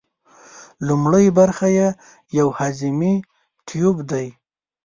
لومړۍ برخه یې یو هضمي تیوپ دی.